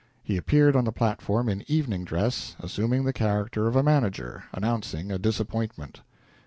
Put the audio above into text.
He appeared on the platform in evening dress, assuming the character of a manager, announcing a disappointment.